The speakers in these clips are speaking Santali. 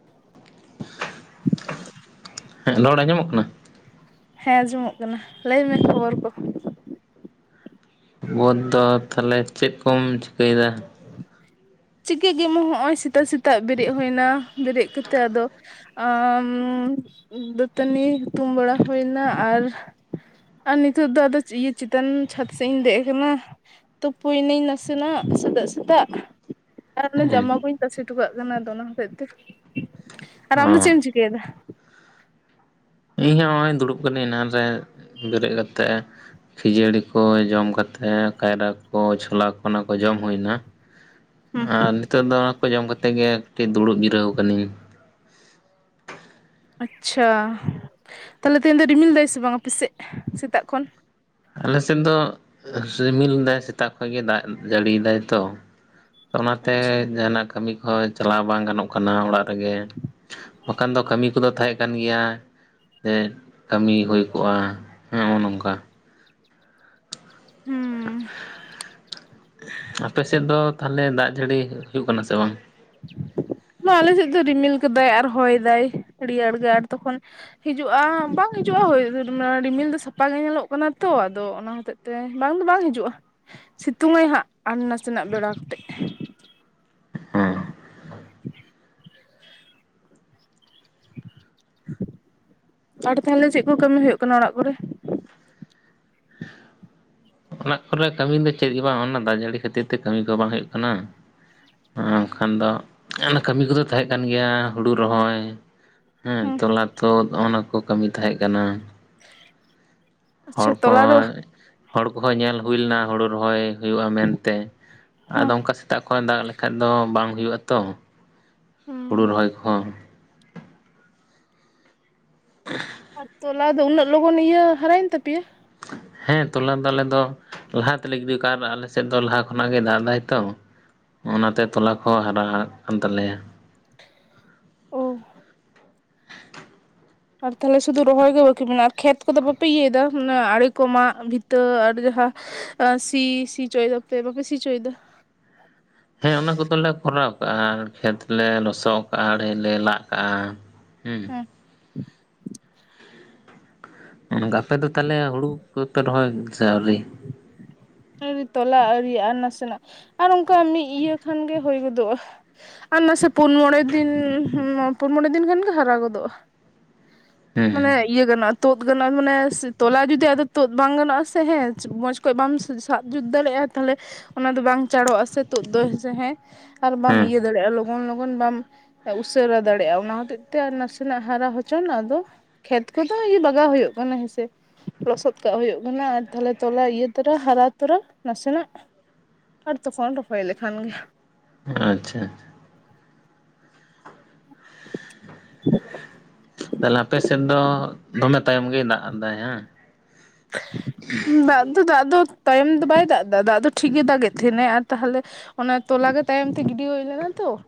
[inaudible] ᱦᱮᱸ ᱞᱚᱲ ᱟᱸᱡᱚᱢᱚᱜ ᱠᱟᱱᱟ? ᱦᱮᱸ ᱟᱸᱡᱚᱢᱚᱜ ᱠᱟᱱᱟ ᱞᱟᱹᱭᱢᱮ ᱠᱷᱚᱵᱚᱨ ᱠᱚ᱾ ᱵᱚᱫᱷ ᱫᱚ ᱛᱟᱦᱞᱮ ᱪᱮᱫ ᱠᱚᱢ ᱪᱤᱠᱟᱹᱭᱮ ᱫᱟ? ᱪᱤᱜᱼᱠᱟᱹ ᱜᱮ ᱢᱚ ᱦᱚᱸᱜᱼᱚᱸᱭ ᱥᱮᱛᱟᱜ ᱥᱮᱛᱟᱜ ᱵᱮᱨᱮᱫ ᱦᱩᱭᱱᱟ ᱵᱮᱨᱮᱫ ᱠᱟᱛᱮ ᱟᱫᱚ ᱟᱻᱢ ᱫᱟᱹᱛᱟᱹᱱᱤ ᱦᱩᱛᱩᱢ ᱵᱟᱲᱟ ᱦᱩᱭᱱᱟ ᱟᱨ ᱟᱨ ᱱᱤᱛᱚᱜ ᱫᱚ ᱟᱫᱚ ᱤᱭᱟᱹ ᱪᱮᱛᱟᱱ ᱪᱷᱟᱛ ᱥᱮᱜ ᱤᱧ ᱫᱮᱡ ᱠᱟᱱᱟ ᱾ ᱛᱩᱯᱩᱭᱤᱱᱟᱹᱧ ᱱᱟᱥᱮ ᱱᱟᱜ ᱥᱮᱛᱟᱜ ᱥᱮᱛᱟᱜ ᱾ ᱟᱨ ᱚᱱᱟ ᱦᱮᱸ ᱡᱟᱢᱟ ᱠᱩᱧ ᱛᱟᱥᱮ ᱦᱚᱴᱚ ᱠᱟᱜ ᱠᱟᱱᱟ ᱟᱫᱚ ᱚᱱᱟ ᱦᱚᱛᱮᱡ ᱛᱮ, ᱟᱨ ᱟᱢᱫᱚ ᱚ ᱪᱮᱫ ᱮᱢ ᱪᱤᱠᱟᱹᱭᱮᱫᱟ? ᱤᱧ ᱦᱚᱸ ᱦᱚᱸᱜᱼᱚᱸᱭ ᱫᱩᱲᱩᱵ ᱠᱟᱹᱱᱟᱹᱧ ᱮᱱᱟᱝ ᱨᱮ ᱵᱮᱨᱮᱜ ᱠᱟᱛᱮᱜ ᱾ ᱠᱷᱟᱹᱡᱟᱹᱲᱤ ᱠᱚ ᱡᱚᱢ ᱠᱟᱛᱮ ᱠᱟᱭᱨᱟ ᱠᱚ ᱪᱷᱚᱞᱟ ᱚᱱᱟ ᱠᱚ ᱡᱚᱢ ᱦᱩᱭᱱᱟ ᱦᱩᱸ ᱟᱨ ᱱᱤᱛᱚᱜ ᱫᱚ ᱠᱚ ᱡᱚᱢ ᱠᱟᱛᱮᱜ ᱜᱮ ᱠᱟᱹᱴᱤᱡ ᱫᱩᱲᱩᱵ ᱡᱤᱨᱟᱹᱣ ᱠᱟᱹᱱᱟᱹᱧ ᱾ ᱟᱪᱪᱷᱟ, ᱛᱟᱞᱦᱮ ᱛᱮᱦᱮᱧ ᱫᱚ ᱨᱤᱢᱤᱞ ᱫᱟᱭ ᱥᱮ ᱵᱟᱝ ᱟᱯᱮ ᱥᱮᱫ ᱥᱮᱛᱟᱜ ᱠᱷᱚᱱ? ᱟᱞᱮ ᱥᱮᱫ ᱫᱚ ᱥᱤᱢᱤᱞ ᱫᱟᱭ ᱥᱮᱛᱟᱜ ᱠᱷᱚᱡ ᱜᱮ ᱫᱟᱜ ᱡᱟᱹᱲᱤᱭ ᱫᱟᱭ ᱛᱚ ᱾ ᱚᱱᱟᱛᱮ ᱟᱪᱪᱷᱟ ᱡᱟᱦᱟ ᱱᱟᱜ ᱠᱟᱹᱢᱤ ᱠᱚᱦᱚᱸ ᱪᱟᱞᱟᱣ ᱵᱟᱝ ᱜᱟᱱᱚᱜ ᱠᱟᱱᱟ ᱚᱲᱟᱜ ᱨᱮᱜᱮ ᱵᱟᱠᱷᱟᱱ ᱫᱚ ᱠᱟᱹᱢᱤ ᱠᱚᱫᱚ ᱛᱟᱦᱮᱸ ᱠᱟᱱ ᱜᱮᱭᱟ ᱾ ᱥᱮ ᱠᱟᱹᱢᱤ ᱦᱩᱭ ᱠᱚᱜᱼᱟ ᱦᱚᱸ ᱱᱚᱜᱼᱚ ᱱᱚᱝᱠᱟ, ᱦᱩᱸ ᱟᱯᱮ ᱥᱮᱫ ᱫᱚ ᱛᱟᱦᱞᱮ ᱫᱟᱜ ᱡᱟᱹᱲᱤ ᱦᱩᱭᱩᱜ ᱠᱟᱱᱟ ᱥᱮ ᱵᱟᱝ? ᱵᱟ ᱟᱞᱮ ᱥᱮᱫ ᱫᱚ ᱨᱤᱢᱤᱞ ᱠᱟᱫᱟᱭ ᱟᱨ ᱦᱚᱭ ᱫᱟᱭ ᱨᱮᱭᱟᱲ ᱜᱮ ᱟᱨ ᱛᱚᱠᱷᱚᱱᱼᱼ ᱦᱤᱡᱩᱜᱼᱟ ᱵᱟᱝ ᱦᱤᱡᱩᱜᱼᱟ ᱦᱳᱭ ᱟᱸ ᱨᱤᱢᱤᱞ ᱫᱚ ᱥᱟᱯᱟ ᱜᱮ ᱧᱮᱞᱚᱜ ᱠᱟᱱᱟ ᱛᱚ ᱟᱫᱚ ᱚᱱᱟ ᱦᱚᱛᱮᱡ ᱛᱮ ᱵᱟᱝ ᱫᱚ ᱵᱟᱝ ᱦᱤᱡᱩᱜᱼᱟ ᱥᱤᱛᱩᱝᱟᱭ ᱦᱟᱸᱜ ᱟᱨ ᱱᱟᱥᱮ ᱱᱟᱜ ᱵᱮᱲᱟ ᱠᱟᱛᱮᱫ ᱾ ᱦᱮᱸ [unintelligible] ᱟᱨ ᱛᱟᱦᱞᱮ ᱪᱮᱫ ᱠᱚ ᱠᱟᱹᱢᱤ ᱦᱩᱭᱩᱜ ᱠᱟᱱᱟ ᱚᱲᱟᱜ ᱠᱚᱨᱮ? ᱚᱲᱟᱜ ᱠᱚᱨᱮ ᱠᱟᱹᱢᱤ ᱫᱚ ᱪᱮᱫ ᱜᱮ ᱵᱟᱝ ᱚᱱᱱᱟ ᱫᱟᱜ ᱡᱟᱹᱲᱤ ᱠᱷᱟᱹᱛᱤᱨ ᱛᱮ ᱠᱟᱹᱢᱤ ᱠᱚ ᱵᱟᱝ ᱦᱩᱭᱩᱜ ᱠᱟᱱᱟ ᱾ ᱟᱸ ᱵᱟᱝ ᱠᱷᱟᱱ ᱫᱚ ᱚᱱᱟ ᱠᱟᱹᱢᱤ ᱠᱚᱫᱚ ᱛᱟᱦᱮᱸ ᱠᱟᱱ ᱜᱮᱭᱟ ᱦᱩᱲᱩ ᱨᱚᱦᱚᱭ ᱾ ᱦᱩᱸ ᱦᱮᱸ ᱛᱚᱞᱟ ᱛᱩᱫ ᱚᱱᱟ ᱠᱚ ᱠᱟᱹᱢᱤ ᱛᱟᱦᱮᱸ ᱠᱟᱱᱟ ᱾ ᱦᱚᱲ ᱟᱪᱪᱷᱟ ᱠᱚ, ᱛᱚᱞᱟ ᱫᱚ ᱦᱚᱲ ᱠᱚᱦᱚᱸ ᱧᱮᱞ ᱦᱩᱭ ᱞᱮᱱᱟ ᱦᱩᱲᱩ ᱨᱚᱦᱚᱭ ᱦᱩᱭᱩᱜᱼᱟ ᱢᱮᱱᱛᱮ ᱟᱫᱚ ᱦᱮᱸ ᱚᱝᱠᱟ ᱥᱮᱛᱟᱜ ᱠᱷᱚᱡ ᱫᱟᱜ ᱞᱮᱠᱷᱟᱡ ᱫᱚ ᱵᱟᱝ ᱦᱩᱭᱩᱜᱼᱟ ᱛᱚ ᱦᱩᱸ ᱦᱩᱲᱩ ᱨᱚᱦᱚᱭ ᱠᱚᱦᱚᱸ ᱾ [unintelligible] ᱟᱨ ᱛᱚᱞᱟ ᱫᱚ ᱩᱱᱟᱹᱜ ᱞᱚᱜᱚᱱ ᱤᱭᱟᱹ ᱦᱟᱨᱟᱭᱮᱱ ᱛᱟᱯᱮᱭᱟ? ᱦᱮᱸ ᱛᱚᱞᱟ ᱫᱚ ᱟᱞᱮ ᱫᱚ ᱞᱟᱦᱟᱛᱮᱞᱮ ᱜᱤᱰᱤᱣ ᱠᱟᱜᱼᱟ ᱟᱨ ᱟᱞᱮ ᱥᱮᱫ ᱫᱚ ᱞᱟᱦᱟ ᱠᱷᱚᱱᱟᱜ ᱜᱮᱭ ᱫᱟᱜ ᱮᱫᱟᱭ ᱛᱚ, ᱚᱱᱟᱛᱮ ᱛᱚᱞᱟ ᱠᱚ ᱦᱚᱸ ᱦᱟᱨᱟ ᱦᱟᱜ ᱠᱟᱱ ᱛᱟᱞᱮᱭᱟ ᱾ [unintelligible] ᱟᱨ ᱛᱟᱦᱞᱮ ᱥᱩᱫᱩ ᱨᱚᱦᱚᱭ ᱜᱮ ᱵᱟᱠᱤ ᱢᱮᱱᱟᱜᱼᱟ ᱟᱨ ᱠᱷᱮᱛ ᱠᱚᱫᱚ ᱵᱟᱯᱮ ᱤᱭᱟᱹᱭ ᱫᱟ ᱢᱟᱱᱮ ᱟᱲᱮ ᱠᱚ ᱢᱟᱜ ᱵᱷᱤᱛᱟᱹ ᱟᱨ ᱡᱟᱦᱟᱸ ᱟᱸ ᱥᱤ ᱥᱤ ᱪᱚᱭ ᱫᱟᱯᱮ ᱵᱟᱯᱮ ᱥᱤ ᱪᱚᱭᱫᱟ? ᱦᱮᱸ ᱚᱱᱟ ᱠᱚᱫᱚᱞᱮ ᱠᱚᱨᱟᱣ ᱠᱟᱜᱼᱟ ᱠᱷᱮᱛ ᱞᱮ ᱞᱚᱥᱚᱫ ᱠᱟᱜᱼᱟ ᱟᱲᱮ ᱞᱮ ᱞᱟᱜ ᱠᱟᱜᱼᱟ, ᱦᱩᱸ [unintelligible] ᱟᱯᱮ ᱫᱚ ᱛᱟᱞᱦᱮ ᱦᱩᱲᱩ ᱠᱚᱯᱮ ᱨᱚᱦᱚᱭ ᱫᱟ ᱥᱮ ᱟᱣᱨᱤ? ᱟᱣᱨᱤ ᱛᱚᱞᱟ ᱟᱹᱣᱨᱤᱭᱟᱜᱼᱟ ᱟᱨ ᱱᱟᱥᱮ ᱱᱟᱜ ᱟᱨ ᱚᱱᱠᱟ ᱢᱤᱫ ᱤᱭᱟᱹ ᱠᱷᱟᱱᱜᱮ ᱦᱩᱭ ᱜᱚᱫᱚᱜᱼᱟ ᱾ ᱟᱨ ᱱᱟᱥᱮ ᱯᱩᱱ ᱢᱚᱸᱬᱮ ᱫᱤᱱ ᱦᱩᱸ ᱯᱩᱱ ᱢᱚᱸᱬᱮ ᱫᱤᱱ ᱠᱷᱟᱱ ᱜᱮ ᱦᱟᱨᱟ ᱜᱚᱫᱚᱜᱼᱟ ᱾ ᱦᱮᱸ ᱢᱟᱱᱮ ᱤᱭᱟᱹ ᱜᱟᱱᱚᱜᱼᱟ ᱛᱩᱫ ᱜᱟᱱᱚᱜᱼᱟ ᱢᱟᱱᱮ ᱛᱚᱞᱟ ᱡᱩᱫᱤ ᱟᱫᱚ ᱛᱩᱫ ᱵᱟᱝ ᱜᱟᱱᱚᱜᱼᱟ ᱥᱮ ᱦᱮᱸ ᱢᱚᱸᱡᱽ ᱠᱷᱚᱡ ᱵᱟᱢ ᱥᱟᱵ ᱡᱩᱛ ᱫᱟᱲᱮᱭᱟᱜᱼᱟ ᱛᱟᱦᱞᱮ ᱚᱱᱟ ᱫᱚ ᱵᱟᱝ ᱪᱟᱸᱲᱚᱜᱼᱟ ᱥᱮ ᱛᱩᱫ ᱫᱚ ᱦᱮᱸ ᱟᱨ ᱵᱟᱢ ᱦᱮᱸ ᱤᱭᱟᱹ ᱫᱟᱲᱮᱭᱟᱜᱼᱟ ᱞᱚ ᱞᱚᱜᱚᱱ ᱞᱚᱜᱚᱱ ᱵᱟᱢ ᱩᱥᱟᱹᱨᱟ ᱫᱟᱲᱮᱭᱟᱜᱼᱟ ᱚᱱᱟ ᱦᱚᱛᱮᱡ ᱛᱮ ᱟᱨ ᱱᱟᱥᱮ ᱱᱟᱜ ᱦᱟᱨᱟ ᱦᱚᱪᱚᱱ ᱟᱫᱚ ᱠᱷᱮᱛ ᱠᱚᱫᱚ ᱤᱭᱟᱹ ᱫᱟᱜᱟᱣ ᱦᱩᱭᱩᱜ ᱠᱟᱱᱟ ᱦᱮᱸ ᱥᱮ ᱞᱚᱥᱚᱫ ᱠᱟᱜ ᱦᱩᱭᱩᱜ ᱠᱟᱱᱟ ᱟᱨ ᱛᱟᱦᱞᱮ ᱛᱚᱞᱟ ᱤᱭᱟᱹ ᱛᱚᱨᱟ ᱦᱟᱨᱟ ᱛᱳᱨᱳ, ᱱᱟᱥᱮᱱᱟᱜ ᱟᱨ ᱛᱚᱠᱷᱚᱱ ᱨᱚᱦᱚᱭ ᱞᱮᱠᱷᱟᱱ ᱜᱮ, ᱟᱸᱪ-ᱪᱷᱟ ᱾ ᱛᱟᱞᱦᱮ ᱟᱯᱮ ᱥᱮᱫ ᱫᱚ ᱫᱚᱢᱮ ᱛᱟᱭᱚᱢ ᱜᱮᱭ ᱫᱟᱜ ᱫᱟᱭ ᱦᱟᱸᱜ? [unintelligible] ᱥᱮ-ᱠ ᱾ ᱫᱟᱜ ᱫᱚ ᱫᱟᱜ ᱫᱚ ᱛᱟᱭᱚᱢ ᱫᱚ ᱵᱟᱭ ᱫᱟᱜ ᱫᱟ ᱫᱟᱜ ᱫᱚ ᱴᱷᱤᱠ ᱜᱮᱭ ᱫᱟᱜᱮᱫ ᱛᱟᱦᱮᱱᱮ ᱟᱨ ᱛᱟᱦᱞᱮᱼᱼ ᱚᱱᱟ ᱛᱚᱞᱟᱜᱮ ᱛᱟᱭᱚᱢ ᱛᱮ ᱜᱤᱰᱤ ᱦᱳᱭ ᱞᱮᱱᱟ ᱛᱚ ᱾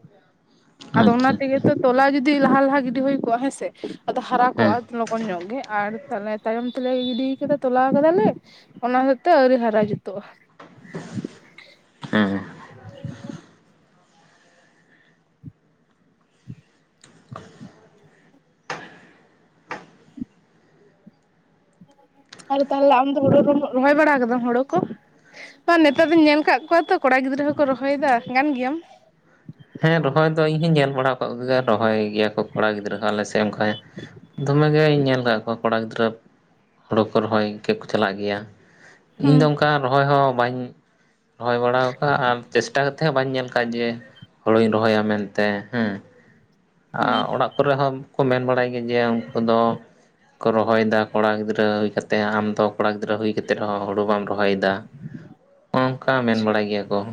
ᱟᱫᱚ ᱟᱪᱪᱷᱟ ᱚᱱᱟ ᱟᱪᱪᱷᱟ ᱛᱮᱜᱮ ᱛᱚ ᱛᱚᱞᱟ ᱡᱩᱫᱤ ᱞᱟᱦᱟ ᱞᱟᱦᱟ ᱜᱤᱰᱤ ᱦᱳᱭ ᱠᱚᱜᱼᱟ ᱦᱮᱸ ᱥᱮ ᱟᱫᱚ ᱦᱟᱨᱟ ᱦᱮᱸ ᱠᱚᱜᱼᱟ ᱞᱚᱜᱚᱱ ᱧᱚᱜ ᱜᱮ ᱟᱨ ᱛᱟᱞᱦᱮ ᱛᱟᱭᱚᱢ ᱛᱮᱞᱮ ᱜᱤᱰᱤᱣ ᱠᱟᱫᱟ ᱛᱚᱞᱟ ᱠᱟᱫᱟᱞᱮ ᱚᱱᱟ ᱦᱚᱛᱮ ᱛᱮ ᱟᱹᱣᱨᱤ ᱦᱟᱨᱟ ᱡᱩᱛᱚᱜᱼᱟ ᱾ ᱦᱮᱸ ᱦᱮᱸ᱾ ᱟᱫᱚ ᱛᱟᱦᱞᱮ ᱟᱢ ᱫᱚ ᱦᱳᱲᱳ ᱠᱚᱢ ᱨᱚᱦᱚᱭ ᱵᱟᱲᱟ ᱠᱟᱫᱟᱢ ᱦᱳᱲᱳ ᱠᱚ? ᱥᱮᱜ ᱵᱟ ᱱᱮᱛᱟᱨ ᱫᱚᱧ ᱧᱮᱞ ᱠᱟᱫ ᱠᱚᱣᱟ ᱛᱚ ᱠᱚᱲᱟ ᱜᱤᱫᱽᱨᱟᱹ ᱦᱚᱸᱠᱚ ᱨᱚᱦᱚᱭ ᱫᱟ ᱜᱟᱱ ᱜᱮᱭᱟᱢ? ᱦᱮᱸ ᱨᱚᱦᱚᱭ ᱫᱚ ᱤᱧ ᱦᱚᱧ ᱧᱮᱞ ᱵᱟᱲᱟᱣ ᱠᱟᱜ ᱠᱚ ᱜᱮᱭᱟ ᱨᱚᱦᱚᱭ ᱜᱮᱭᱟ ᱠᱚ ᱠᱚᱲᱟ ᱜᱤᱫᱽᱨᱟᱹ ᱦᱚᱸ ᱟᱞᱮ ᱥᱮᱫ ᱚᱝᱠᱟ ᱾ ᱫᱚᱢᱮᱜᱮᱧ ᱧᱮᱞ ᱟᱠᱟᱫ ᱠᱚᱣᱟ ᱠᱚᱲᱟ ᱜᱤᱫᱽᱨᱟᱹ ᱦᱳᱲᱳ ᱠᱚ ᱨᱚᱦᱚᱭ ᱠᱷᱮᱛ ᱠᱚ ᱪᱟᱞᱟᱜ ᱜᱮᱭᱟ ᱾ ᱤᱧ ᱦᱩᱸ ᱫᱚ ᱚᱱᱠᱟ ᱨᱚᱦᱚᱭ ᱦᱚᱸ ᱵᱟᱹᱧ ᱨᱚᱦᱚᱭ ᱵᱟᱲ ᱠᱟᱜᱼᱟ ᱪᱮᱥᱴᱟ ᱠᱟᱛᱮ ᱦᱚᱸ ᱵᱟᱹᱧ ᱧᱮᱞ ᱥᱟᱡᱮ ᱦᱳᱲᱳᱧ ᱨᱚᱦᱚᱭᱟ ᱢᱮᱱᱛᱮ ᱦᱮᱸ, ᱦᱩᱸ ᱚᱲᱟᱜ ᱠᱚᱨᱮ ᱦᱚᱸ ᱠᱚ ᱢᱮᱱ ᱵᱟᱲᱟᱭ ᱜᱮᱭᱟ ᱡᱮ ᱩᱱᱠᱩ ᱫᱚ ᱠᱚ ᱨᱚᱦᱚᱭ ᱫᱟ ᱠᱚᱲᱟ ᱜᱤᱫᱽᱨᱟᱹ ᱦᱩᱭ ᱠᱟᱛᱮ ᱟᱢ ᱫᱚ ᱠᱚᱲᱟ ᱜᱤᱫᱽᱨᱟᱹ ᱦᱩᱭ ᱠᱟᱛᱮᱫ ᱨᱮᱦᱚᱸ ᱦᱳᱲᱳ ᱵᱟᱢ ᱨᱚᱦᱚᱭᱮᱫᱟ ᱾ ᱚᱝᱠᱟ ᱢᱮᱱ ᱟᱪᱪᱷᱟ ᱵᱟᱲᱟᱭ ᱜᱮᱭᱟ ᱠᱚ ᱾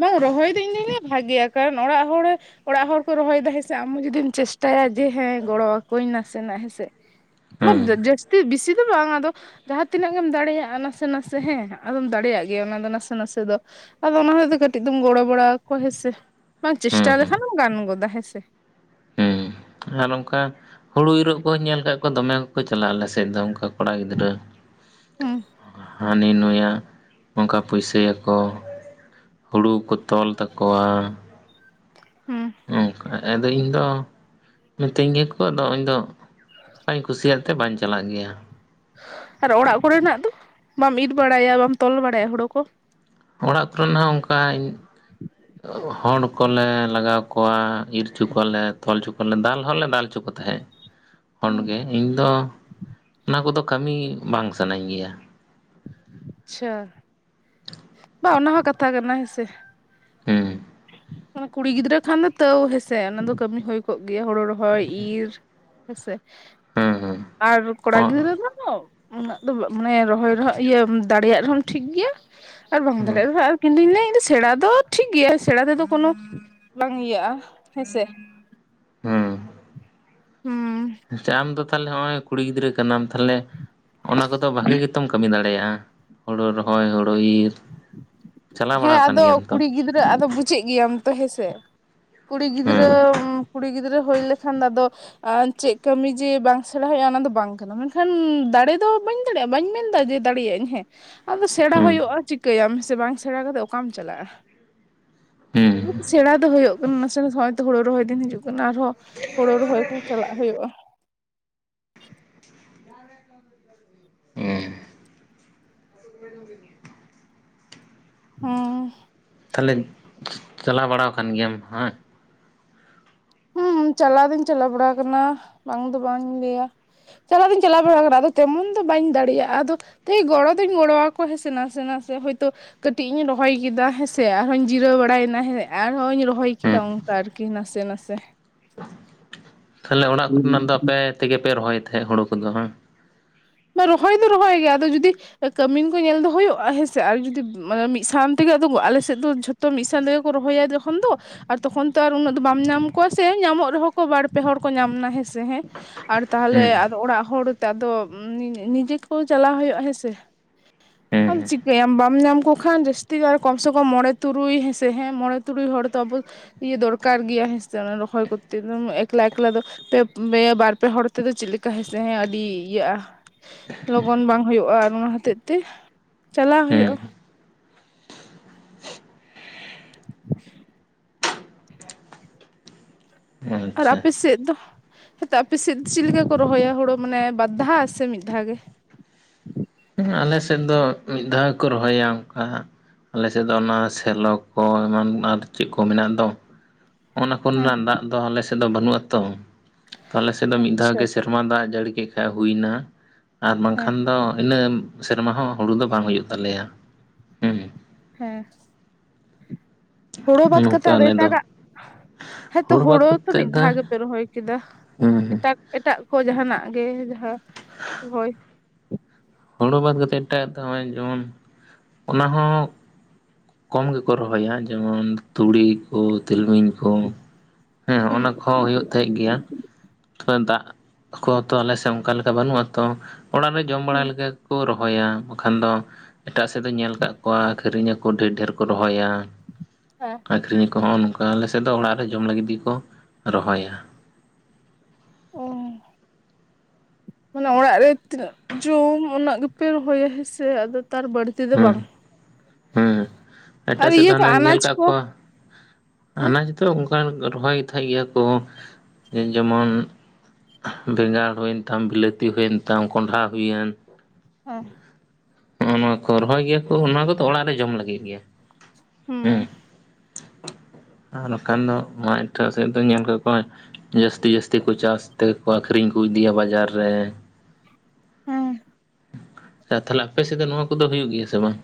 ᱵᱟᱝ ᱨᱚᱦᱚᱭ ᱫᱚ ᱤᱧ ᱫᱚᱧ ᱞᱟᱹᱭᱟ ᱵᱷᱟᱜᱮᱹᱭᱟ ᱠᱟᱨᱚᱱ ᱚᱲᱟᱜ ᱦᱚᱲ ᱚᱲᱟᱜ ᱦᱚᱲ ᱠᱚ ᱨᱚᱦᱚᱭᱮᱫᱟ ᱦᱮᱸ ᱥᱮ ᱟᱢ ᱦᱚᱸ ᱡᱩᱫᱤᱢ ᱪᱮᱥᱴᱟᱭᱟ ᱡᱮ ᱦᱮᱸ ᱜᱚᱲᱚᱣᱟ ᱠᱚᱣᱟᱹᱧ ᱱᱟᱥᱮᱱᱟᱜ ᱦᱮᱸ ᱥᱮ ᱾ ᱵᱟᱝ ᱦᱮᱸ ᱡᱟᱹᱥᱛᱤ ᱵᱤᱥᱤ ᱫᱚ ᱵᱟᱝ ᱟᱫᱚ ᱾ ᱡᱟᱦᱟᱸ ᱛᱤᱱᱟᱹᱜ ᱜᱮᱢ ᱫᱟᱲᱮᱭᱟᱜᱼᱟ ᱱᱟᱥᱮᱹᱱᱟᱥᱮᱹ ᱦᱮᱸ ᱟᱫᱚᱢ ᱫᱟᱲᱮᱭᱟᱜ ᱜᱮᱭᱟ ᱚᱱᱟ ᱫᱚ ᱱᱟᱥᱮᱹ ᱱᱟᱥᱮᱹᱫᱚ ᱟᱫᱚ ᱚᱱᱟ ᱦᱚᱛᱮ ᱠᱟᱹᱴᱤᱡ ᱫᱚᱢ ᱜᱚᱲᱚ ᱵᱟᱲᱟ ᱠᱚᱣᱟ ᱦᱮᱸ ᱥᱮ ᱵᱟᱝ ᱦᱮᱸ ᱪᱮᱥᱴᱟ ᱦᱮᱸ ᱞᱮᱠᱷᱟᱱᱮᱢ ᱜᱟᱱ ᱜᱚᱫᱟ ᱦᱮᱸ ᱥᱮ ᱾ ᱟᱨ ᱱᱚᱝᱠᱟ ᱦᱳᱲᱳ ᱤᱨᱚᱜ ᱠᱚᱦᱚᱸ ᱧᱮᱞ ᱟᱠᱟᱫ ᱠᱚᱣᱟ ᱫᱚᱢᱮ ᱠᱚᱠᱚ ᱪᱟᱞᱟᱜᱼᱟ ᱟᱞᱮᱥᱮᱫ ᱫᱚ ᱚᱱᱠᱟ ᱠᱚᱲᱟ ᱜᱤᱫᱽᱨᱟᱹ ᱾ ᱦᱩᱸ᱾ ᱦᱟᱹᱱᱤ ᱱᱩᱭᱟᱜ ᱚᱱᱠᱟ ᱯᱩᱭᱥᱟᱹᱭᱟᱠᱚ ᱾ ᱦᱩᱲᱩ ᱠᱚ ᱛᱚᱞ ᱛᱟᱠᱚᱣᱟ ᱦᱮᱸ ᱾ ᱱᱚᱝᱠᱟ ᱟᱫᱚ ᱤᱧ ᱫᱚ ᱢᱤᱛᱟᱹᱧ ᱜᱮᱭᱟᱠᱚ ᱟᱫᱚ ᱤᱧ ᱫᱚ ᱵᱟᱹᱧ ᱠᱩᱥᱤᱭᱟᱫ, ᱛᱮ ᱵᱟᱧ ᱪᱟᱞᱟᱜ ᱜᱮᱭᱟ ᱾ ᱥᱟᱦ ᱟᱨ ᱚᱲᱟᱜ ᱠᱚᱨᱮᱱᱟᱜ ᱫᱚ ᱵᱟᱢ ᱤᱨ ᱵᱟᱲᱟᱭᱟ ᱵᱟᱢ ᱛᱚᱞ ᱵᱟᱲᱟᱭᱟ ᱦᱳᱲᱳ ᱠᱚ? ᱚᱲᱟᱜ ᱠᱚᱨᱮᱱᱟᱜ ᱦᱚᱸ ᱚᱱᱠᱟᱧ ᱦᱚᱲ ᱠᱚᱞᱮ ᱞᱟᱜᱟᱣ ᱠᱚᱣᱟ ᱤᱨ ᱚᱪᱚ ᱠᱚᱣᱟᱞᱮ ᱛᱚᱞ ᱚᱪᱚ ᱠᱚᱣᱟᱞᱮ ᱫᱟᱞ ᱦᱚᱸᱞᱮ ᱫᱟᱞ ᱚᱪᱚ ᱠᱚ ᱛᱟᱦᱮᱸ ᱾ ᱠᱷᱚᱱ ᱦᱩᱸ ᱜᱮ ᱤᱧ ᱫᱚ ᱚᱱᱟ ᱠᱚᱫᱚ ᱠᱟᱹᱢᱤ ᱵᱟᱝ ᱥᱟᱱᱟᱧ ᱜᱮᱭᱟ ᱾ ᱟᱪ-ᱪᱷᱟ, ᱵᱟᱝ ᱚᱱᱟ ᱦᱚᱸ ᱠᱟᱛᱷᱟ ᱠᱟᱱᱟ ᱦᱮᱸᱥᱮ ᱾ ᱦᱮᱸ ᱾ ᱠᱩᱲᱤ ᱜᱤᱫᱽᱨᱟᱹ ᱠᱷᱟᱱ ᱫᱚ ᱛᱟᱣ ᱦᱮᱸᱥᱮ ᱚᱱᱟ ᱫᱚ ᱠᱟᱹᱢᱤ ᱦᱳᱭ ᱠᱚᱜ ᱜᱮᱭᱟ ᱦᱳᱲᱳ ᱨᱚᱦᱚᱭ ᱤᱨ ᱦᱮᱸᱥᱮ ᱦᱮᱸ ᱟᱨ ᱠᱚᱲᱟ ᱦᱮᱸ ᱜᱤᱫᱽᱨᱟᱹ ᱫᱚᱠᱚ ᱩᱱᱟᱹᱜ ᱫᱚ ᱵᱟ-ᱢᱟᱱᱮ ᱨᱚᱦᱚᱭ ᱨᱮᱦᱚᱸ ᱤᱭᱟᱹ ᱫᱟᱲᱮᱭᱟᱜ ᱨᱮᱦᱚᱸᱢ ᱴᱷᱤᱠ ᱜᱮᱭᱟ ᱟᱨ ᱵᱟᱝ ᱦᱮᱸ ᱫᱟᱲᱮᱭᱟᱜ ᱨᱮᱦᱚᱸ ᱤᱧ ᱫᱩᱧ ᱞᱟᱹᱭᱟ ᱤᱧ ᱫᱚ ᱥᱮᱬᱟ ᱫᱚ ᱴᱷᱤᱠ ᱜᱮᱭᱟ ᱥᱮᱬᱟ ᱛᱮᱫᱚ ᱠᱳᱱᱳ ᱵᱟᱝ ᱤᱭᱟᱹᱜᱼᱟ ᱦᱮᱸᱥᱮ ᱾ ᱦᱩ ᱾ ᱦᱩᱸ ᱾ ᱥᱮ ᱟᱢ ᱫᱚ ᱛᱟᱞᱦᱮ ᱱᱚᱜ-ᱚᱭ ᱠᱩᱲᱤ ᱜᱤᱫᱽᱨᱟᱹ ᱠᱟᱱᱟᱢ ᱛᱟᱞᱦᱮ ᱚᱱᱟ ᱠᱚᱫᱚ ᱵᱷᱟᱜᱮᱹ ᱜᱮᱛᱚᱢ ᱠᱟᱹᱢᱤ ᱫᱟᱲᱮᱭᱟᱜᱼᱟ? ᱫᱟᱲᱮᱭᱟᱜᱼᱟ ᱦᱳᱲᱳ ᱨᱚᱦᱚᱭ ᱦᱳᱲᱳ ᱤᱨ ᱪᱟᱞᱟᱣ ᱦᱮᱸ ᱵᱟᱲᱟ ᱟᱠᱟᱱ ᱟᱫᱚ ᱜᱮᱭᱟᱢ ᱛᱚ ᱠᱩᱲᱤ ᱜᱤᱫᱽᱨᱟᱹᱼᱼ ᱟᱫᱚ ᱵᱩᱡᱟᱹᱜ ᱜᱮᱭᱟᱢ ᱛᱚ ᱦᱮᱸᱥᱮ ᱠᱩᱲᱤ ᱜᱤᱫᱽᱨᱟᱹ ᱦᱩᱸ ᱠᱩᱲᱤ ᱜᱤᱫᱽᱨᱟᱹ ᱦᱩᱭ ᱞᱮᱠᱷᱟᱱ ᱟᱫᱚᱼᱼ [unintelligible] ᱪᱮᱫ ᱠᱟᱹᱢᱤ ᱡᱮ ᱵᱟᱝ ᱥᱮᱬᱟ ᱦᱩᱭᱩᱜᱼᱟ ᱚᱱᱟ ᱫᱚ ᱵᱟᱝ ᱠᱟᱱᱟ ᱢᱮᱱ ᱠᱷᱟᱱ ᱫᱟᱲᱮ ᱫᱚ ᱵᱟᱹᱧ ᱫᱟᱲᱮᱭᱟᱜᱼᱟ ᱵᱟᱹᱧ ᱢᱮᱱ ᱮᱫᱟ ᱡᱮ ᱫᱟᱲᱮᱭᱟᱜ ᱟᱹᱧ ᱦᱮᱸ ᱟᱫᱚ ᱥᱮᱬᱟ ᱦᱩᱸ ᱦᱩᱭᱩᱜᱼᱟ ᱪᱤᱠᱟᱹᱭ ᱟᱢ ᱥᱮ ᱵᱟᱝ ᱥᱮᱬᱟ ᱠᱟᱛᱮ ᱚᱠᱟᱢ ᱪᱟᱞᱟᱜᱼᱟ [unintelligible] ᱥᱮᱬᱟ ᱫᱚ ᱦᱩᱭᱩᱜ ᱱᱟᱥᱮᱱᱟᱜ ᱦᱚᱸᱜᱼᱚ ᱦᱳᱲᱳ ᱨᱚᱦᱚᱭ ᱫᱤᱱ ᱦᱤᱡᱩᱜ ᱠᱟᱱᱟ ᱟᱨᱦᱚᱸ ᱦᱳᱲᱳ ᱨᱚᱦᱚᱭ ᱠᱚ ᱪᱟᱞᱟᱜ ᱦᱩᱭᱩᱜᱼᱟ [unintelligible] [inaudible] ᱦᱩᱸᱻ ᱛᱟᱦᱚᱞᱮ ᱪᱟᱞᱟᱣ ᱵᱟᱲᱟ ᱟᱠᱟᱱ ᱜᱮᱭᱟᱢ ᱦᱟᱸᱜ ᱦᱩᱸ ᱪᱟᱞᱟᱣ ᱫᱩᱧ ᱪᱟᱞᱟᱣ ᱵᱟᱲᱟ ᱟᱠᱟᱱᱟ ᱵᱟᱝ ᱫᱚ ᱵᱟᱝ ᱤᱧ ᱞᱟᱹᱭᱟ ᱪᱟᱞᱟᱣ ᱫᱚᱧ ᱪᱟᱞᱟᱣ ᱵᱟᱲᱟ ᱟᱠᱟᱱᱟ ᱟᱫᱚ ᱛᱮᱢᱚᱱ ᱫᱚ ᱵᱟᱹᱧ ᱫᱟᱲᱮᱭᱟᱜᱼᱟ ᱟᱫᱚᱼᱼ [unintelligible] ᱜᱚᱲᱚ ᱫᱚᱧ ᱜᱚᱲᱚᱣᱟ ᱠᱚᱣᱟ ᱦᱮᱸ ᱥᱮ ᱱᱟᱥᱮ ᱱᱟᱥᱮ ᱦᱚᱭᱛᱚ ᱠᱟᱹᱴᱤᱡ ᱤᱧ ᱨᱚᱦᱚᱭ ᱠᱮᱫᱟ ᱦᱮᱸᱥᱮ ᱟᱨ ᱦᱚᱸᱧ ᱡᱤᱨᱟᱹᱣ ᱵᱟᱲᱟᱭ ᱮᱱᱟ ᱦᱮᱸ ᱟᱨᱦᱚᱧ ᱨᱚᱦᱚᱭ ᱠᱮᱫᱟ ᱦᱮᱸ ᱚᱱᱠᱟ ᱟᱨᱠᱤ ᱱᱟᱥᱮ ᱱᱟᱥᱮ [inaudible] ᱛᱟᱦᱚᱞᱮ ᱚᱲᱟᱜ ᱠᱚ ᱨᱮᱱᱟᱜ ᱫᱚ ᱟᱯᱮ ᱛᱮᱜᱮ ᱯᱮ ᱨᱚᱦᱚᱭ ᱛᱟᱦᱮᱸᱫ ᱦᱩᱲᱩ ᱠᱚᱫᱚ ᱵᱟᱝ ᱨᱚᱦᱚᱭ ᱫᱚ ᱨᱚᱦᱚᱭ ᱜᱮᱭᱟ ᱟᱫᱚ ᱡᱩᱫᱤ ᱠᱟᱹᱢᱤᱱ ᱠᱚ ᱧᱮᱞ ᱫᱚ ᱦᱩᱭᱩᱜᱼᱟ ᱦᱮᱸᱥᱮ ᱟᱨ ᱡᱩᱫᱤ ᱮ ᱢᱤᱫ ᱥᱟᱶ ᱛᱮ ᱜᱮ ᱟᱞᱮ ᱥᱮᱫ ᱫᱚ ᱡᱚᱛᱚᱼᱼ ᱛᱚ ᱢᱤᱫ ᱥᱟᱶ ᱛᱮᱜᱮ ᱠᱚ ᱨᱚᱦᱟᱭ ᱟ ᱡᱚᱠᱷᱚᱱ ᱫᱚᱼᱼ ᱟᱨ ᱛᱚᱠᱷᱚᱱ ᱛᱚ ᱟᱨ ᱩᱱᱟᱹᱜ ᱫᱚ ᱵᱟᱢ ᱧᱟᱢ ᱠᱚᱣᱟ ᱥᱮ ᱧᱟᱢᱚᱜ ᱨᱮᱦᱚᱸ ᱠᱚ ᱵᱟᱨ ᱯᱮ ᱦᱚᱲ ᱠᱚ ᱧᱟᱢ ᱱᱟ ᱦᱮᱸᱥᱮ ᱦᱮᱸ ᱟᱨ ᱛᱟᱦᱞᱮ ᱦᱩᱸ ᱟᱫᱚ ᱚᱲᱟᱜ ᱦᱚᱲᱛᱮ ᱟᱫᱚ ᱱᱤᱡᱮ ᱠᱚ ᱪᱟᱞᱟᱣ ᱦᱩᱭᱩᱜᱼᱟ ᱦᱮᱸᱥᱮ ᱦᱮᱸ ᱟᱢ ᱪᱤᱠᱟᱹᱭᱟᱢ ᱵᱟᱢ ᱧᱟᱢ ᱠᱚ ᱠᱷᱟᱱ ᱡᱟᱹᱥᱛᱤ ᱠᱚᱢ ᱥᱮ ᱠᱚᱢ ᱢᱚᱬᱮ ᱛᱩᱨᱩᱭ ᱦᱮᱸᱥᱮ ᱦᱮ ᱢᱚᱬᱮ ᱛᱩᱨᱩᱭ ᱦᱚᱲ ᱛᱚ ᱟᱵᱚ ᱤᱭᱟᱹ ᱫᱚᱨᱠᱟᱨ ᱜᱮᱭᱟ ᱦᱮᱸᱥᱮ ᱚᱱᱟ ᱨᱚᱦᱚᱭ ᱠᱚᱛᱮ ᱮᱠᱞᱟ ᱮᱠᱞᱟ ᱫᱚ ᱯᱮ ᱵᱟᱨ ᱯᱮ ᱦᱚᱲ ᱛᱮᱫᱚ ᱪᱮᱫ ᱞᱮᱠᱟ ᱦᱮᱸᱥᱮ ᱦᱮᱸ ᱟᱹᱰᱤ ᱤᱭᱟᱹᱜᱼᱟ ᱞᱚᱜᱚᱱ ᱵᱟᱝ ᱦᱩᱭᱩᱜᱼᱟ ᱚᱱᱟ ᱦᱚᱛᱮᱡ ᱛᱮ ᱪᱟᱞᱟᱣ ᱦᱩᱭᱩᱜᱼᱟ ᱦᱩᱸ [inaudible] ᱟᱨ ᱟᱪᱪᱷᱟ ᱟᱯᱮ ᱥᱮᱫ ᱫᱚᱼᱼ ᱦᱮᱸᱛᱚ ᱟᱯᱮ ᱥᱮᱫ ᱪᱮᱫ ᱞᱮᱠᱟ ᱠᱚ ᱨᱚᱦᱚᱭᱟ ᱦᱳᱲᱳ ᱢᱟᱱᱮ ᱵᱟᱨᱫᱷᱟᱣ ᱥᱮ ᱢᱤᱫ ᱫᱷᱟᱣ ᱜᱮ ᱟᱞᱮ ᱥᱮᱫ ᱫᱚ ᱢᱤᱫ ᱫᱷᱟᱣ ᱜᱮᱠᱚ ᱨᱚᱦᱚᱭᱟ ᱚᱱᱠᱟ ᱟᱞᱮ ᱥᱮᱫ ᱫᱚ ᱚᱱᱟ ᱥᱮᱞᱚ ᱠᱚ ᱮᱢᱟᱱ ᱟᱨ ᱪᱮᱫ ᱠᱚ ᱢᱮᱱᱟᱜ ᱫᱚᱼᱼ ᱚᱱᱟ ᱠᱚ ᱦᱮᱸ ᱨᱮᱱᱟᱜ ᱫᱟᱜ ᱫᱚ ᱟᱞᱮ ᱥᱮᱫ ᱫᱚ ᱵᱟᱹᱱᱩᱜ ᱟ ᱛᱚ ᱟᱞᱮ ᱥᱮᱫ ᱫᱚ ᱢᱤᱫ ᱫᱷᱟᱣ ᱟᱪᱪᱷᱟ ᱜᱮ ᱥᱮᱨ [unintelligible] ᱫᱟᱜ ᱡᱟᱹᱲᱤ ᱠᱮᱫ ᱠᱷᱟᱱ ᱦᱩᱭᱱᱟ ᱟᱨ ᱵᱟᱝ ᱦᱮᱸ ᱠᱷᱟᱱ ᱫᱚ ᱤᱱᱟᱹ ᱥᱮᱨᱢᱟ ᱦᱚᱸ ᱦᱩᱲᱩ ᱫᱚ ᱵᱟᱝ ᱦᱩᱭᱩᱜ ᱛᱟᱞᱮᱭᱟ ᱦᱮᱸ ᱦᱮᱸ ᱦᱩᱲᱳ ᱵᱟᱛ ᱠᱟᱛᱮ ᱱᱚᱝᱠᱟ ᱟᱫᱚ ᱟᱞᱮ ᱮᱴᱟᱜ ᱫᱚ ᱜᱟᱜ ᱦᱮᱸᱛᱚ ᱦᱩᱲᱩ ᱵᱟᱫ ᱦᱳᱲᱳ ᱛᱚ ᱢᱤᱫ ᱠᱟᱛᱮᱫ ᱫᱚ ᱫᱷᱟᱣ ᱜᱮᱯᱮ ᱨᱚᱦᱚᱭ ᱠᱮᱫᱟ ᱦᱮᱸ ᱦᱮᱸ ᱮᱴᱟᱜ ᱮᱴᱟᱜ ᱠᱚ ᱡᱟᱦᱟᱱᱟᱜ ᱜᱮ ᱡᱟᱦᱟᱸ [unintelligible] ᱦᱳᱲᱳ ᱵᱟᱫ ᱠᱟᱛᱮᱫ ᱮᱴᱟᱜ ᱫᱚᱭ ᱡᱮᱢᱚᱱ ᱚᱱᱟ ᱦᱚᱸ ᱠᱚᱢ ᱜᱮ ᱠᱚ ᱨᱚᱦᱚᱭᱟ ᱡᱮᱢᱚᱱ ᱛᱩᱲᱤᱼᱼ [unintelligible] ᱛᱤᱞᱢᱤᱧ ᱠᱚ ᱦᱮᱸᱜ ᱦᱩᱸ ᱚᱱᱟ ᱠᱚᱦᱚᱸ ᱦᱩᱭᱩᱜ ᱛᱟᱦᱮᱸᱜ ᱜᱮᱭᱟ [unintelligible] ᱫᱟᱜ ᱠᱚ ᱛᱚ ᱟᱞᱮ ᱥᱮᱫ ᱚᱱᱠᱟ ᱞᱮᱠᱟ ᱵᱟᱹᱱᱩᱜᱼᱟ ᱛᱚ ᱚᱲᱟᱜ ᱨᱮ ᱡᱚᱢ ᱦᱩᱸ ᱵᱟᱲᱟ ᱦᱮᱸ ᱞᱮᱠᱟ ᱠᱚ ᱨᱚᱦᱚᱭᱟ ᱵᱟᱠᱷᱟᱱ ᱫᱚ ᱮᱴᱟᱜ ᱥᱮᱫ ᱫᱚᱧ ᱧᱮᱞ ᱟᱠᱟᱫ ᱠᱚᱣᱟ ᱟᱠᱟᱨᱤᱧ ᱟᱠᱚ ᱰᱷᱮᱨ ᱰᱷᱮᱨ ᱠᱚ ᱨᱚᱦᱚᱭᱟ᱾ ᱦᱮᱸ᱾ ᱟᱠᱷᱨᱤᱧ ᱟᱠᱚ ᱦᱚᱸᱜ ᱱᱚᱝᱠᱟ ᱟᱞᱮᱥᱮᱫ ᱫᱚ ᱚᱲᱟᱜ ᱨᱮ ᱡᱚᱢ ᱞᱟᱹᱜᱤᱫ ᱜᱮᱠᱚ ᱨᱚᱦᱚᱭᱟ᱾ [inaudible] ᱦᱚᱞᱟ ᱚᱲᱟᱜ ᱨᱮ ᱛᱤᱱᱟᱹᱜ ᱡᱚᱢ ᱩᱱᱟᱹᱜ ᱜᱮᱯᱮ ᱨᱚᱦᱚᱭᱟ ᱦᱮᱸᱥᱮ ᱟᱫᱚ ᱛᱟᱨ ᱵᱟᱹᱲᱛᱤ ᱫᱚ ᱵᱟᱝ᱾ ᱦᱮᱸ ᱟᱨ ᱮᱴᱟᱜ ᱥᱮᱫ ᱫᱚ ᱤᱭᱟᱹ ᱠᱚ ᱦᱟᱱᱟᱧ ᱧᱮᱞ ᱟᱱᱟᱡ ᱠᱟᱜ ᱠᱚ ᱠᱚᱣᱟ ᱦᱮᱸ ᱦᱟᱱᱟ ᱡᱚᱛᱚ ᱚᱱᱠ ᱨᱚᱦᱚᱭ ᱛᱟᱦᱮᱸᱫ ᱜᱮᱭᱟ ᱠᱚ ᱡᱮᱢᱚᱱ ᱵᱮᱸᱜᱟᱲ ᱦᱩᱭᱮᱱ ᱛᱟᱢ, ᱵᱤᱞᱟᱹᱛᱤ ᱦᱩᱭᱮᱱ ᱛᱟᱢ, ᱠᱚᱸᱰᱷᱟ ᱦᱩᱭᱮᱱ ᱦᱮᱸ᱾ ᱱᱚᱜᱚᱭ ᱱᱚᱣᱟ ᱠᱚ ᱨᱚᱦᱚᱭ ᱜᱮᱭᱟ ᱠᱚ ᱚᱱᱟ ᱠᱚᱫᱚ ᱚᱲᱟᱜ ᱨᱮ ᱡᱚᱢ ᱞᱟᱹᱜᱤᱫ ᱜᱮᱭᱟ ᱦᱩᱸ᱾ ᱦᱮᱸ ᱟᱨ ᱵᱟᱠᱷᱟᱱ ᱫᱚ ᱱᱚᱣᱟ ᱮᱴᱟᱜ ᱥᱮᱫ ᱫᱚᱧ ᱧᱮᱞ ᱠᱟᱜ ᱠᱚᱣᱟ ᱡᱟᱹᱥᱛᱤ ᱡᱟᱹᱥᱛᱤ ᱠᱚ ᱪᱟᱥ ᱛᱮᱠᱚ ᱟᱠᱷᱨᱤᱧ ᱠᱚ ᱤᱫᱤᱭᱟ ᱵᱟᱡᱟᱨ ᱨᱮ᱾ ᱦᱩᱸ [unintelligible] ᱛᱟᱦᱞᱮ ᱟᱯᱮ ᱥᱮᱫ ᱫᱚ ᱱᱚᱣᱟ ᱠᱚᱫᱚ ᱦᱩᱭᱩᱜ ᱜᱮᱭᱟ ᱥᱮ ᱵᱟᱝ?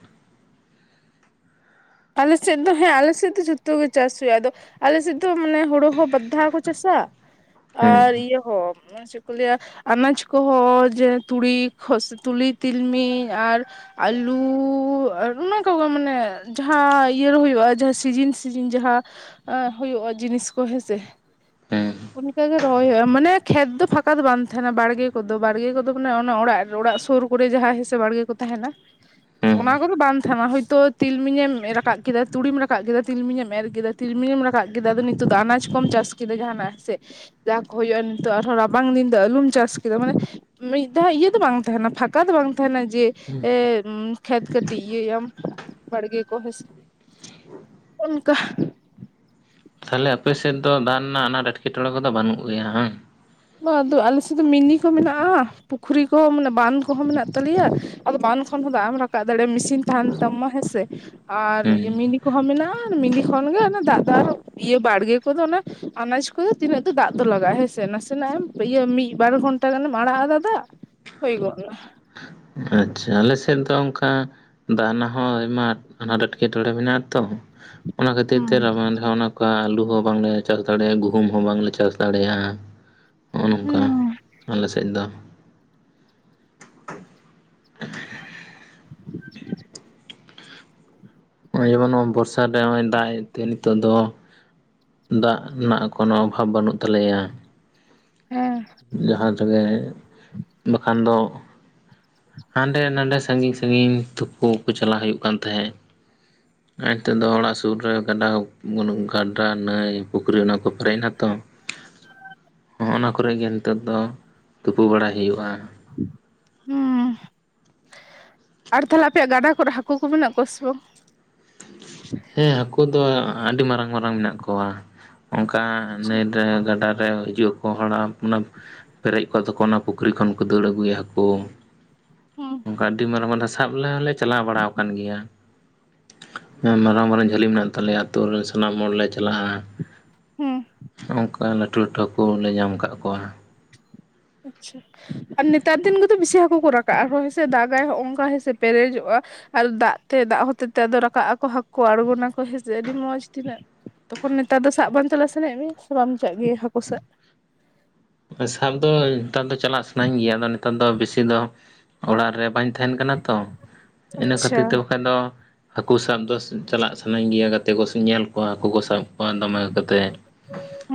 ᱟᱞᱮᱥᱮᱫ ᱫᱚ ᱦᱮᱸ ᱟᱞᱮᱥᱮᱫ ᱫᱚ ᱡᱚᱛᱚ ᱜᱮ ᱪᱟᱥ ᱦᱩᱭᱩᱜᱼᱟ ᱟᱫᱚ ᱟᱞᱮᱥᱮᱫ ᱫᱚ ᱢᱟᱱᱮ ᱦᱳᱲᱳ ᱦᱚᱸ ᱵᱟᱫᱷᱟ ᱠᱚ ᱪᱟᱥᱟ ᱦᱮᱸ ᱟᱨ ᱤᱭᱟᱹ ᱦᱚᱸ ᱪᱮᱫ ᱠᱚ ᱞᱟᱹᱭᱟ ᱟᱱᱟᱡᱽ ᱠᱚᱦᱚᱸ ᱡᱮ ᱛᱩᱲᱤ, ᱠᱷᱚᱥ, ᱛᱩᱞᱤ, ᱛᱤᱞᱢᱤᱧ ᱟᱨ ᱟᱞᱩᱻ ᱚᱱᱟ ᱠᱚᱜᱮ ᱢᱟᱱᱮ ᱡᱟᱦᱟᱸ ᱤᱭᱟᱹᱨᱮ ᱦᱩᱭᱩᱜᱼᱟ ᱡᱟᱦᱟᱸ ᱥᱤᱡᱤᱱ ᱥᱤᱡᱤᱱ ᱡᱟᱦᱟᱸ ᱟ ᱦᱩᱭᱩᱜᱼᱟ ᱡᱤᱱᱤᱥ ᱠᱚ ᱦᱮᱸᱥᱮ᱾ ᱦᱮᱸ᱾ ᱚᱱᱠᱟᱜᱮ ᱨᱚᱦᱚᱭ ᱦᱩᱭᱩᱜᱼᱟ ᱢᱟᱱᱮ ᱠᱷᱮᱛ ᱫᱚ ᱯᱷᱟᱸᱠᱟ ᱫᱚ ᱵᱟᱝ ᱛᱟᱦᱮᱱᱟ ᱵᱟᱲᱜᱮ ᱠᱚᱫᱚ ᱵᱟᱲᱜᱮ ᱠᱚᱫᱚ ᱢᱟᱱᱮ ᱚᱱᱟ ᱚᱲᱟᱜ ᱚᱲᱟᱜ ᱥᱩᱨ ᱠᱚᱨᱮ ᱡᱟᱦᱟᱸᱭ ᱦᱮᱸ ᱥᱮ ᱵᱟᱲᱜᱮ ᱠᱚ ᱛᱟᱦᱮᱱᱟ ᱦᱮᱸ ᱚᱱᱟ ᱠᱚᱫᱚ ᱵᱟᱝ ᱛᱟᱦᱮᱱᱟ ᱦᱚᱭᱛᱚ ᱛᱤᱞᱢᱤᱧ ᱮᱢ ᱨᱟᱠᱟᱵ ᱠᱮᱫᱟ ᱛᱩᱲᱤᱢ ᱨᱟᱠᱟᱵ ᱠᱮᱫᱟ ᱛᱤᱞᱢᱤᱧ ᱮᱢ ᱮᱨ ᱠᱮᱫᱟ ᱛᱤᱞᱢᱤᱧᱮᱢ ᱨᱟᱠᱟᱵ ᱠᱮᱫᱟ ᱟᱫᱚ ᱱᱤᱛᱚᱜᱼᱫᱚ ᱟᱱᱟᱡ ᱠᱚᱢ ᱪᱟᱥ ᱠᱮᱫᱟ ᱡᱟᱦᱟᱸᱱᱟᱜ᱾ ᱥᱮ ᱡᱟ ᱠᱚ ᱦᱩᱭᱩᱜᱼᱟ ᱱᱤᱛᱚᱜ ᱟᱨᱦᱚᱸ ᱨᱟᱵᱟᱝ ᱫᱤᱱ ᱫᱚ ᱟᱞᱩᱢ ᱪᱟᱥ ᱠᱮᱫᱟ ᱢᱟᱱᱮ ᱢᱤᱫ ᱫᱷᱟᱣ ᱤᱭᱟᱹ ᱫᱚ ᱵᱟᱝ ᱛᱟᱦᱮᱸᱱᱟ ᱯᱷᱟᱠᱟ ᱫᱚ ᱵᱟᱝ ᱛᱟᱦᱮᱸᱱᱟ ᱡᱮ ᱮ ᱠᱷᱮᱛ ᱠᱟᱹᱴᱤᱡ ᱤᱭᱟᱹᱭᱟᱢ ᱵᱟᱲᱜᱮ ᱠᱚ [inaudible] ᱚᱱᱠᱟ [inaudible] ᱛᱟᱦᱚᱞᱮ ᱟᱯᱮᱥᱮᱫ ᱫᱚ ᱫᱟᱜ ᱨᱮᱱᱟᱜ ᱟᱱᱟᱴ ᱮᱴᱠᱮᱴᱚᱬᱮ ᱠᱚᱫᱚ ᱵᱟᱹᱱᱩᱜ ᱜᱮᱭᱟ ᱦᱮᱸ ᱦᱟᱝ? [unintelligible] ᱟᱫᱚ ᱟᱞᱮ ᱥᱮᱫ ᱫᱚ ᱢᱤᱱᱤ ᱠᱚ ᱢᱮᱱᱟᱜᱼᱟ, ᱯᱩᱠᱷᱨᱤ ᱠᱚ ᱢᱟᱱᱮ ᱵᱟᱸᱫᱷ ᱠᱚᱦᱚᱸ ᱢᱮᱱᱟᱜ ᱛᱟᱞᱮᱭᱟ᱾ ᱟᱫᱚ ᱵᱟᱱ ᱠᱷᱚᱱ ᱦᱚᱸ ᱫᱟᱜ ᱮᱢ ᱨᱟᱠᱟᱵ ᱫᱟᱲᱮᱭᱟᱜᱼᱟ ᱢᱮᱥᱤᱱ ᱛᱟᱦᱮᱸᱱ ᱛᱟᱢ ᱢᱟ ᱦᱮᱸᱥᱮ ᱟᱨ ᱦᱮᱸ ᱢᱤᱱᱤ ᱠᱚᱦᱚᱸ ᱢᱮᱱᱟᱜᱼᱟ ᱢᱤᱱᱤ ᱠᱷᱚᱱᱜᱮ ᱚᱱᱟ ᱫᱟᱜ ᱫᱚ ᱟᱨ ᱤᱭᱟᱹ ᱵᱟᱲᱜᱮ ᱠᱚᱫᱚ ᱚᱱᱟ ᱟᱱᱟᱡ ᱠᱚᱫᱚ ᱛᱤᱱᱟᱹᱜ ᱫᱚ ᱫᱟᱜ ᱫᱚ ᱞᱟᱜᱟᱜᱼᱟ ᱦᱮᱸᱥᱮ ᱱᱟᱥᱮ ᱛᱟᱱᱟᱜᱹ ᱮᱢ ᱤᱭᱟᱹ ᱢᱤᱫ ᱵᱟᱨ ᱜᱷᱚᱱᱴᱟ ᱜᱟᱱᱮᱢ ᱟᱲᱟᱜ ᱟᱫᱟ ᱫᱟᱜ ᱦᱩᱭ ᱜᱚᱫ ᱮᱱᱟ᱾ ᱟᱪᱪᱷᱟ ᱟᱞᱮᱥᱮᱫ ᱫᱚ ᱚᱱᱠᱟ ᱫᱟᱜ ᱨᱮᱱᱟᱜ ᱦᱚᱸ ᱟᱭᱢᱟ ᱟᱱᱟᱴ ᱮᱴᱠᱮᱴᱚᱬᱮ ᱢᱮᱱᱟᱜᱼᱟᱛᱚ᱾ ᱚᱱᱟ ᱠᱷᱟᱹᱛᱤᱨ ᱛᱮ ᱦᱩᱸ ᱨᱟᱵᱟᱝ ᱚᱱᱟ ᱠᱟ ᱟᱹᱞᱩ ᱦᱚᱸ ᱵᱟᱝᱞᱮ ᱪᱟᱥ ᱫᱟᱲᱮᱭᱟᱜᱼᱟ ᱜᱩᱦᱩᱢ ᱦᱚᱸ ᱵᱟᱝᱞᱮ ᱪᱟᱥ ᱫᱟᱲᱮᱭᱟᱜᱼᱟ᱾ ᱱᱚᱜᱼᱚ ᱱᱚᱝᱠᱟ ᱦᱩᱸ ᱟᱞᱮ ᱥᱮᱫ ᱫᱚ᱾ [inaudible] [inaudible] ᱱᱚᱜᱼᱚᱭ ᱡᱮᱢᱚᱱ ᱱᱚᱜ [unintelligible] ᱵᱚᱨᱥᱟ ᱨᱮ ᱱᱚᱜᱼᱚᱭ ᱫᱟᱜᱼᱮᱫ ᱛᱮ ᱱᱤᱛᱚᱜ ᱫᱚ ᱫᱟᱜ ᱨᱮᱱᱟᱜ ᱠᱳᱱᱳ ᱚᱵᱷᱟᱵᱽ ᱵᱟᱹᱱᱩᱜ ᱛᱟᱞᱮᱭᱟ᱾ ᱦᱮᱸ ᱡᱟᱦᱟᱸ ᱛᱮᱜᱮ ᱵᱟᱠᱷᱟᱱ ᱫᱚ ᱦᱟᱸᱰᱮ ᱱᱟᱰᱮ ᱥᱟᱺᱜᱤᱧ ᱥᱟᱺᱜᱤᱧ ᱛᱩᱯᱩ ᱠᱚ ᱪᱟᱞᱟᱜ ᱦᱩᱭᱩᱜ ᱠᱟᱱ ᱛᱟᱦᱮᱸᱜ᱾ ᱟᱨ ᱱᱤᱛᱚᱜ ᱫᱚ ᱚᱲᱟᱜ ᱥᱩᱨ ᱨᱮ ᱜᱟᱰᱟ [unintelligible] ᱵᱟᱹᱱᱩᱜ ᱜᱟᱰᱟ ᱱᱟᱹᱭ ᱯᱩᱠᱷᱨᱤ ᱚᱱᱟ ᱠᱚ ᱯᱮᱨᱮᱡ ᱮᱱᱟᱛᱚ᱾ [inaudible] ᱦᱚᱸᱜᱼᱱᱟ ᱠᱚᱨᱮ ᱜᱮ ᱱᱤᱛᱚᱜ ᱫᱚ ᱛᱩᱯᱩ ᱵᱟᱲᱟᱭ ᱦᱩᱭᱩᱜᱼᱟ᱾ ᱩᱸᱻ᱾ ᱟᱨ ᱛᱟᱦᱚᱞᱮ ᱟᱯᱮᱭᱟᱜ ᱜᱟᱰᱟ ᱠᱚᱨᱮ ᱦᱟᱹᱠᱩ ᱠᱚ ᱢᱮᱱᱟᱜ ᱠᱚᱣᱟ ᱥᱮ ᱵᱟᱝ? ᱦᱮᱸ ᱦᱟᱹᱠᱩ ᱫᱚ ᱟᱹᱰᱤ ᱢᱟᱨᱟᱝ ᱢᱟᱨᱟᱝ ᱢᱮᱱᱟᱜ ᱠᱚᱣᱟ᱾ ᱚᱱᱠᱟ ᱱᱟᱭ ᱨᱮ ᱜᱟᱰᱟ ᱨᱮ ᱦᱤᱡᱩᱜ ᱟᱠᱚ ᱦᱚᱲᱟᱜ ᱚᱱᱟ ᱯᱮᱨᱮᱡ ᱠᱚᱜᱼᱟ ᱛᱚᱠᱚ ᱚᱱᱟ ᱯᱩᱠᱷᱨᱤ ᱠᱷᱚᱱ ᱠᱚ ᱫᱟᱹᱲ ᱟᱹᱜᱩᱭᱟ ᱦᱟᱹᱠᱩ᱾ ᱦᱩᱸ ᱚᱱᱠᱟ ᱟᱹᱰᱤ ᱢᱟᱨᱟᱝ [unintelligible] ᱥᱟᱵ ᱞᱮ ᱦᱚᱸᱞᱮ ᱪᱟᱞᱟᱣ ᱵᱟᱲᱟ ᱠᱟᱱ ᱜᱮᱭᱟ᱾ ᱢᱟᱨᱟᱝ ᱢᱟᱨᱟᱝ ᱡᱷᱟᱹᱞᱤ ᱢᱮᱱᱟᱜ ᱛᱟᱞᱮᱭᱟ ᱟᱹᱛᱩᱳ ᱨᱮᱱ ᱥᱟᱱᱟᱢ ᱦᱚᱲ ᱞᱮ ᱪᱟᱞᱟᱜᱼᱟ᱾ ᱦᱩᱸ ᱱᱚᱝᱠᱟ ᱞᱟᱹᱴᱩ ᱞᱟᱹᱴᱩ ᱦᱟᱹᱠᱩ ᱦᱚᱸᱞᱮ ᱧᱟᱢ ᱠᱟᱜ ᱠᱚᱣᱟ᱾ [unintelligible] ᱟᱨ ᱱᱮᱛᱟᱨ ᱫᱤᱱ ᱜᱮᱛᱚ ᱵᱮᱥᱤ ᱦᱟᱹᱠᱩ ᱠᱚ ᱨᱟᱠᱟᱵᱼᱟ ᱟᱠᱚ ᱦᱮᱸᱥᱮ ᱫᱟᱜ ᱫᱟᱭ ᱦᱚᱸᱜᱼᱚ ᱱᱟᱝᱠᱟ ᱦᱮᱸᱥᱮ ᱯᱮᱨᱮᱡᱚᱜᱼᱟ᱾ ᱟᱨ ᱫᱟᱜ ᱛᱮ ᱫᱟᱜ ᱦᱚᱛᱮ ᱛᱮ ᱨᱟᱠᱟᱵ ᱟᱠᱚ ᱦᱟᱹᱠᱩ ᱟᱬᱜᱚ ᱱᱟᱠᱚ ᱦᱮᱸᱥᱮ ᱟᱹᱰᱤ ᱢᱚᱡᱽ ᱛᱤᱱᱟᱹᱜ ᱛᱚᱠᱷᱚᱱ ᱱᱮᱛᱟᱨ ᱫᱚ ᱥᱟᱵ ᱵᱟᱝ ᱪᱟᱞᱟᱜ ᱥᱟᱱᱟᱭᱮᱫ ᱢᱮᱭᱟ ᱥᱮ ᱵᱟᱢ ᱪᱟᱜ ᱜᱮᱭᱟ ᱦᱟᱹᱠᱩ ᱥᱟᱵ? ᱥᱟᱵ ᱫᱚ ᱱᱮᱛᱟᱨ ᱫᱚ ᱪᱟᱞᱟᱜ ᱥᱟᱱᱟᱧ ᱜᱮᱭᱟ ᱟᱫᱚ ᱱᱮᱛᱟᱨ ᱫᱚ ᱵᱮᱥᱤ ᱫᱚ ᱚᱲᱟᱜ ᱨᱮ ᱵᱟᱧ ᱛᱟᱦᱮᱸᱱ ᱠᱟᱱᱟ ᱛᱚ᱾ ᱤᱱᱟᱹ ᱟᱪᱪᱷᱟ ᱠᱷᱟᱹᱛᱤᱨ ᱛᱮ ᱵᱟᱠᱷᱟᱱ ᱦᱟᱹᱠᱩ ᱥᱟᱵ ᱫᱚ ᱪᱟᱞᱟᱜ ᱥᱟᱱᱟᱧ ᱜᱮᱭᱟ ᱜᱟᱛᱮ ᱠᱚᱧ ᱧᱮᱞ ᱠᱚ ᱠᱚ ᱦᱟᱹᱠᱩ ᱠᱚ ᱥᱟᱵ ᱮᱫ ᱠᱚᱣᱟ ᱫᱟᱢᱮ ᱟᱠᱛᱮᱫ᱾ [inaudible]